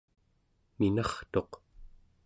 minartuq